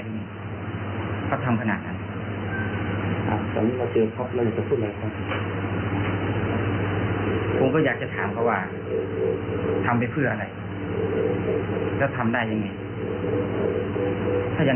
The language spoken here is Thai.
ถูกต้องถึงก็ต้องแบบกราบเท้าขอโทษคุณพ่อเลยอะ